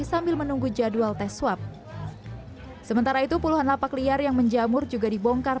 sambil menunggu jadwal tes swab sementara itu puluhan lapak liar yang menjamur juga dibongkar